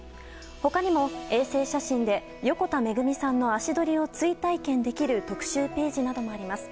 他にも、衛星写真で横田めぐみさんの足取りを追体験できる特集ページなどもあります。